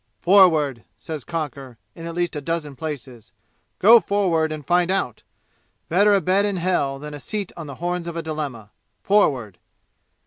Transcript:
"Forward!" says Cocker, in at least a dozen places. "Go forward and find out! Better a bed in hell than a seat on the horns of a dilemma! Forward!"